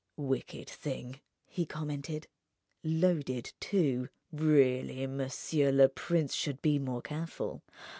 "Wicked thing," he commented—"loaded, too. Really, monsieur le prince should be more careful.